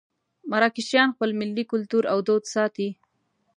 مراکشیان خپل ملي کولتور او دود ساتي.